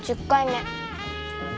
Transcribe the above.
１０回目。